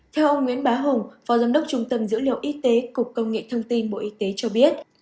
theo ông nguyễn bá hùng phó giám đốc trung tâm dữ liệu y tế cục công nghệ thông tin bộ y tế cho biết